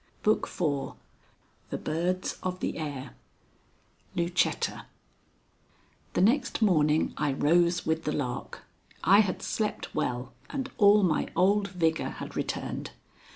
BOOK IV THE BIRDS OF THE AIR XXXIII LUCETTA The next morning I rose with the lark. I had slept well, and all my old vigor had returned.